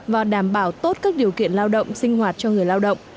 và đảm bảo tốt các điều kiện lao động sinh hoạt cho người lao động